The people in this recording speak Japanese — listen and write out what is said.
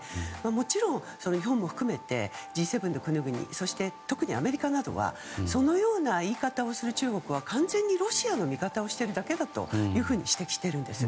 もちろん、日本も含めてＧ７の国々、特にアメリカなどはそのような言い方をする中国は完全にロシアの味方をしているだけだと指摘しています。